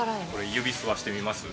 指、吸わしてみます？